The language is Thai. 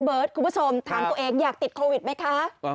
คุณผู้ชมถามตัวเองอยากติดโควิดไหมคะ